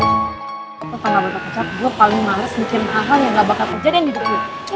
lo tau gak apa apa kecap gue paling males mikirin hal hal yang gak akan terjadi yang di depan gue